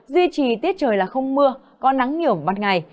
duy trì tiết trời là không mưa có nắng nhiều ban ngày